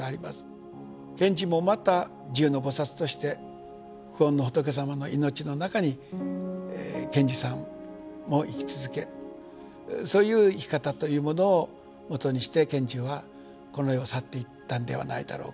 賢治もまた地涌の菩薩として久遠の仏様の命の中に賢治さんも生き続けそういう生き方というものをもとにして賢治はこの世を去っていったんではないだろうか。